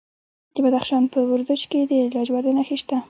د بدخشان په وردوج کې د لاجوردو نښې شته.